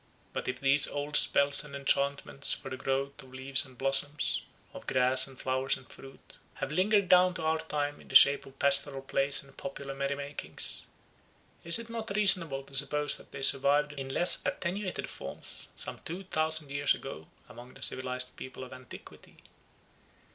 But if these old spells and enchantments for the growth of leaves and blossoms, of grass and flowers and fruit, have lingered down to our own time in the shape of pastoral plays and popular merry makings, is it not reasonable to suppose that they survived in less attenuated forms some two thousand years ago among the civilised peoples of antiquity?